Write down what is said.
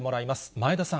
前田さん。